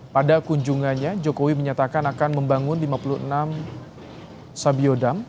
pada kunjungannya jokowi menyatakan akan membangun lima puluh enam sabiodam